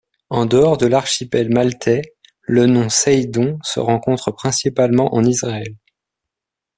En dehors de l'archipel maltais, le nom Saydon se rencontre principalement en Israël.